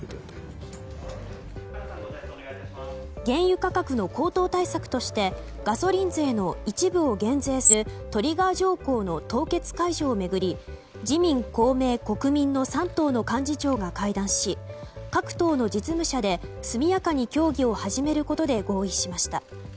原油価格の高騰対策としてガソリン税の一部を減税するトリガー条項の凍結解除を巡り自民・公明・国民の３党の幹事長が会談し各党の実務者で速やかに協議を始めることで合意しました。